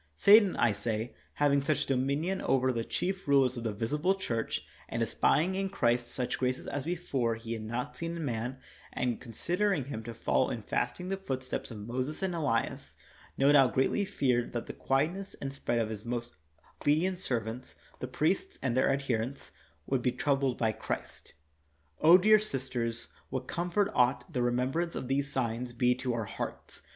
Satan, I say, having such dominion over the chief rulers of the visible church, and espying in Christ such graces as before he had not seen in man, and considering him to follow in fasting the footsteps of Moses and Elias, no doubt greatly feared that the quietness and rest of his most obedient serv ants, the priests, and their adherents, would be troubled by Christ. dear sisters, what comfort ought the remem brance of these signs to be to our hearts